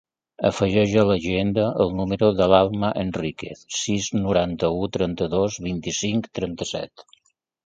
Afegeix a l'agenda el número de l'Alma Enriquez: sis, noranta-u, trenta-dos, vint-i-cinc, trenta-set.